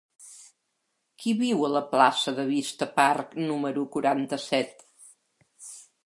Qui viu a la plaça de Vista Park número quaranta-set?